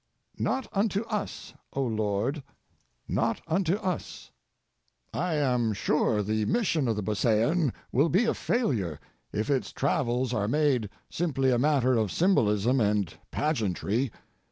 "Not Unto Us, Oh Lord, Not Unto Us" I am sure the mission of the beauseant will be a failure if its travels are made simply a matter of symbolism and pageantry.